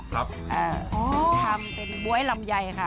ครับอ๋ออ๋อทำเป็นบ๊วยลำไยค่ะ